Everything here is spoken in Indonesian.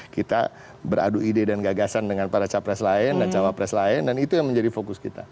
kita beradu ide dan gagasan dengan para capres lain dan cawapres lain dan itu yang menjadi fokus kita